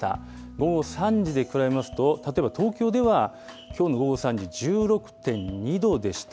午後３時で比べますと、例えば東京ではきょうの午後３時、１６．２度でした。